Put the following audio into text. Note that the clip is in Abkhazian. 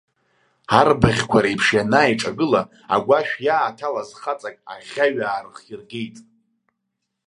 Арбаӷьқәа реиԥш ианааиҿагыла, агәашә иааҭалаз хаҵак аӷьаҩ аарыхиргеит.